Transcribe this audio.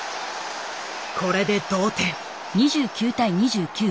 これで同点。